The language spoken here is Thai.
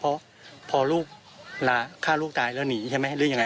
เพราะพอลูกฆ่าลูกตายแล้วหนีใช่ไหมหรือยังไง